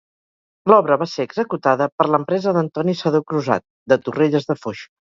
L'obra va ser executada per l'empresa d'Antoni Sedó Crusat, de Torrelles de Foix.